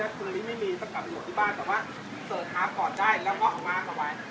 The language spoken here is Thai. อยากถังที่ไม่มีต้องการโหลดที่บ้านแต่ว่าเสิร์ชภาพขอดได้แล้วก็เอามาเอาไว้